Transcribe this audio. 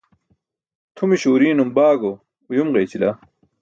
Tʰumiśo urii̇num baago uyum ġeyćila.